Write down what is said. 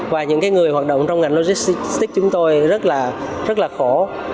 và những người hoạt động trong ngành logistics chúng tôi rất là khổ